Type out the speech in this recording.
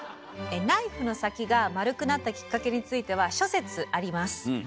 ナイフの先が丸くなったきっかけについては諸説あります。